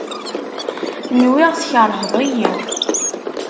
Nwiɣ tkerheḍ-iyi.